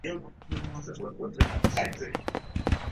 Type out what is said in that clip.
もう少し、ここにいてもいいか